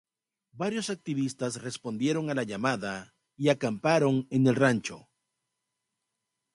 Varios activistas respondieron a la llamada y acamparon en el rancho.